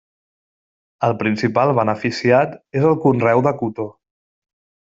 El principal beneficiat és el conreu de cotó.